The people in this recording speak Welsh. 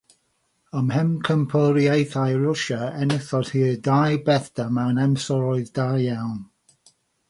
Ym Mhencampwriaethau Rwsia, enillodd hi'r ddau bellter mewn amseroedd da iawn.